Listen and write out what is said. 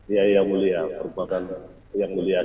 iya yang mulia perkuatan yang mulia